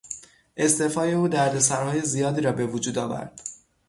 استعفای او دردسرهای زیادی را بوجود آورد.